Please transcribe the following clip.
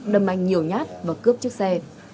đâm anh nhiều nhát và cướp chiếc xe